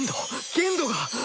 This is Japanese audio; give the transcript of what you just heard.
限度がッ！